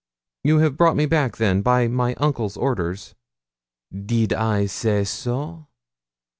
'You have brought me back, then, by my uncle's orders?' 'Did I say so?'